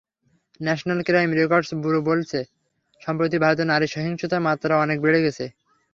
National crime records bureau বলছে, সম্প্রতি ভারতে নারী সহিংসতার মাত্রা অনেক বেড়ে গেছে।